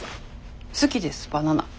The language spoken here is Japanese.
好きですバナナ。